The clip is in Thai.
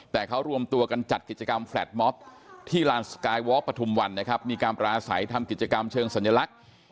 แต่เขารวมตัวกันจัดกิจกรรมแฟลตมอบที่ลานสกายวอล์ปฐุมวันนะครับมีการปราศัยทำกิจกรรมเชิงสัญลักษณ์